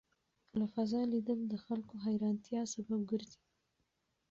له فضا لیدل د خلکو د حېرانتیا سبب ګرځي.